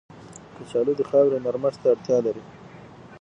کچالو د خاورې نرمښت ته اړتیا لري